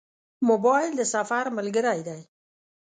موبایل د سفر ملګری دی.